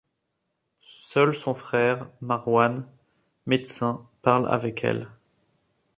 Seul son frère Marwan, médecin, parle avec elle.